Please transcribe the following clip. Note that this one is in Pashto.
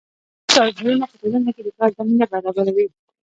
کوچني کاروبارونه په ټولنه کې د کار زمینه برابروي.